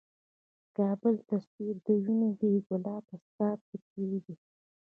د کـــــــــابل تصویر د وینو ،بې ګلابه ستا پیکی دی